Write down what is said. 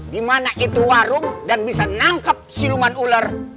di mana itu warung dan bisa nangkep siluman ular